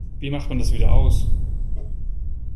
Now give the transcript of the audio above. Wie macht man das wieder aus?